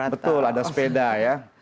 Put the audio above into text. betul ada sepeda ya